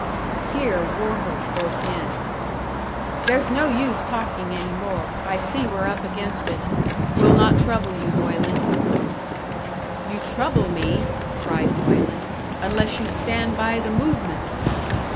Here Wauchope broke in. "There's no use talking any more. I see we're up against it. We'll not trouble you, Moylan." "You trouble me," cried Moylan, "unless you stand by the movement!"